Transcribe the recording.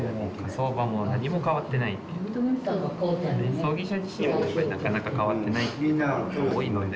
葬儀社自身もなかなか変わってないっていうところも多いので。